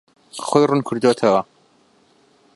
خۆی ڕوون کردووەتەوە.